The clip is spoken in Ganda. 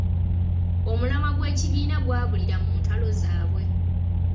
Omulamwa gw’ekibiina gwabulira mu ntalo zaabwe.